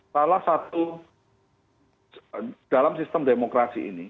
salah satu dalam sistem demokrasi ini